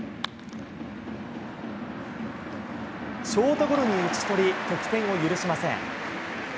ショートゴロに打ち取り、得点を許しません。